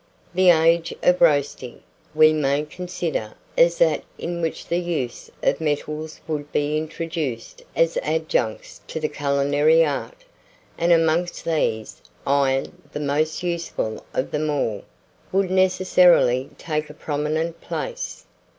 THE AGE OF ROASTING we may consider as that in which the use of the metals would be introduced as adjuncts to the culinary art; and amongst these, iron, the most useful of them all, would necessarily take a prominent place.